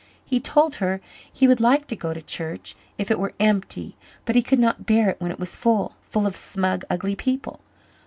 He told her he would like to go to church if it were empty but he could not bear it when it was full full of smug, ugly people.